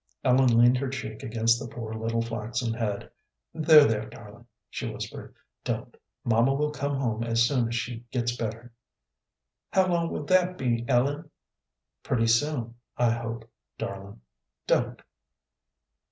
Ellen leaned her cheek against the poor little flaxen head. "There, there, darling," she whispered, "don't. Mamma will come home as soon as she gets better." "How long will that be, Ellen?" "Pretty soon, I hope, darling. Don't."